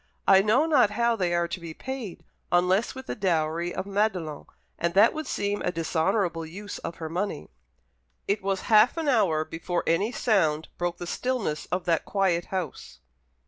I know not how they are to be paid, unless with the dowry of Madelon, and that would seem a dishonourable use of her money." It was half an hour before any sound broke the stillness of that quiet house.